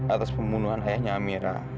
atas pembunuhan ayahnya amira